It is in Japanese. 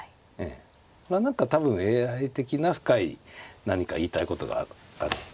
まあ何か多分ＡＩ的な深い何か言いたいことがある。